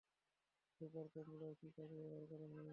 Super computer কী কাজে ব্যবহার করা হয়?